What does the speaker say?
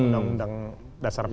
undang undang dasar paham